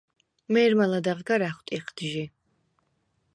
მე̄რმა ლადეღ გარ ა̈ხვტიხდ ჟი.